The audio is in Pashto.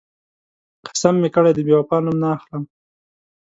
قسم مې کړی، د بېوفا نوم نه اخلم.